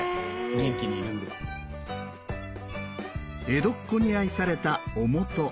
江戸っ子に愛された万年青。